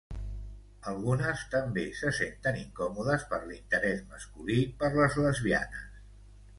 Algunes també se senten incòmodes per l'interès masculí per les lesbianes.